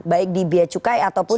baik di biaya cukai ataupun